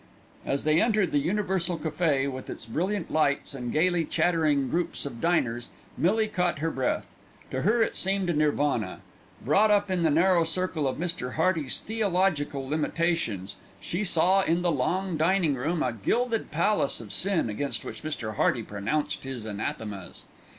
As they entered the Universal Café, with its brilliant lights and gaily chattering groups of diners Millie caught her breath. To her it seemed a Nirvana. Brought up in the narrow circle of Mr. Hearty's theological limitations, she saw in the long dining room a gilded palace of sin against which Mr. Hearty pronounced his anathemas.